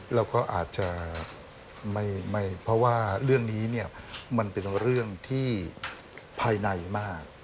แล้วก็อาจจะไม่เพราะว่าเรื่องนี้เนี่ยมันเป็นเรื่องที่ภายในมาก